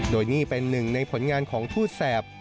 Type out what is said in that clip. โดยนี่เป็นหนึ่งในผลงานของทูตแสบ